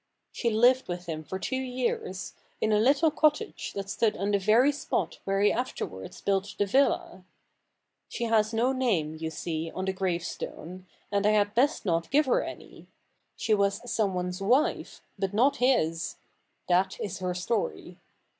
She lived with him for two years, in a little cottage that stood on the very spot where he afterwards built the villa. She has no name, you see, on the gravestone, and I had best not give her any. She was someone's wife, but not his. That is her story.